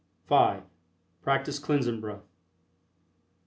(5) Practice Cleansing Breath.